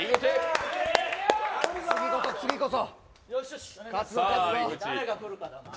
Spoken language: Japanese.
次こそ、次こそ。